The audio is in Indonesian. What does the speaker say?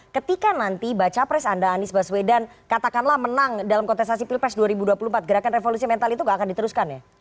ketika nanti baca pres anda anies baswedan katakanlah menang dalam kontestasi pilpres dua ribu dua puluh empat gerakan revolusi mental itu gak akan diteruskan ya